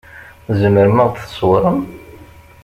Tzemrem ad ɣ-d-tṣewṛem?